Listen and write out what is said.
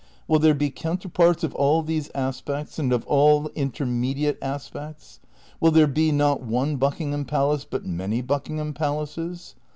Will there be counterparts of all these aspects and of all in termediate aspects? Will there be, not one Bucking ham Palace but many Buckingham Palaces?